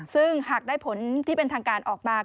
ซึ่งหากได้ผลที่เป็นทางการออกมา